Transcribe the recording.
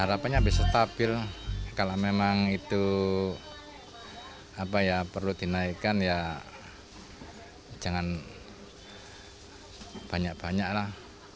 harapannya bisa stabil kalau memang itu perlu dinaikkan ya jangan banyak banyak lah